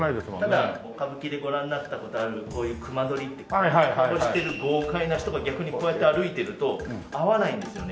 ただ歌舞伎でご覧になった事あるこういう隈取をしてる豪快な人が逆にこうやって歩いてると合わないんですよね。